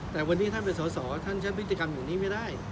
แต่วันนี้ท่านเป็นสอสอท่านใช้พฤติกรรมอย่างนี้ไม่ได้